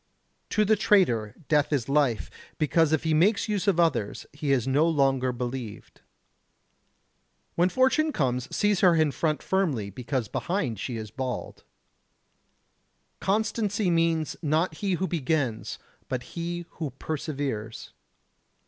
To the traitor, death is life, because if he makes use of others he is no longer believed. When fortune comes seize her in front firmly, because behind she is bald. Constancy means, not he who begins, but he who perseveres.